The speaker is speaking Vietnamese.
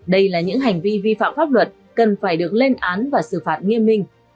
đây là những hành vi vi phạm pháp luật cần phải được lên án và xử phạt nghiêm minh